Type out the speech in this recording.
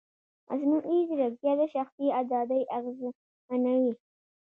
مصنوعي ځیرکتیا د شخصي ازادۍ اغېزمنوي.